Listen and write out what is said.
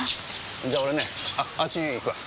じゃ俺ねあっち行くわ。